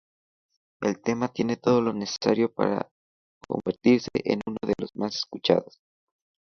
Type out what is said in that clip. El tema tiene todo lo necesario para convertirse en uno de lo más escuchados.